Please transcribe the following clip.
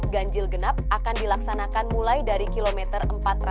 ganjil genap akan dilaksanakan mulai dari kilometer empat ratus